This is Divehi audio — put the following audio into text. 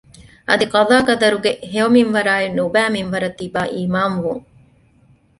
އަދި ޤަޟާ ޤަދަރުގެ ހެޔޮ މިންވަރާއި ނުބައި މިންވަރަށް ތިބާ އީމާން ވުން